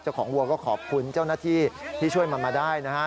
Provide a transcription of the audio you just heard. เจ้าของวัวก็ขอบคุณเจ้าหน้าที่ที่ช่วยมาได้นะฮะ